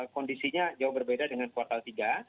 kondisinya jauh berbeda dengan kuartal tiga